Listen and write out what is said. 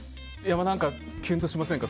何かキュンとしませんか？